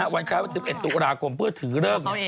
วัน๙๑ตุลากรมเพื่อถือเรื่อง